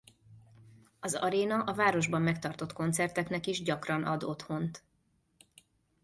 Az aréna a városban megtartott koncerteknek is gyakran ad otthont.